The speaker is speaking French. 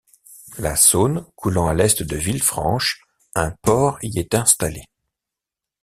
La Saône coulant à l'est de Villefranche, un port y est installé.